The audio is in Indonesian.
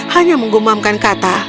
hanya menggumamkan kata